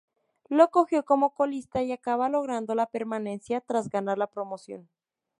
Lo cogió como colista y acabó logrando la permanencia tras ganar la promoción.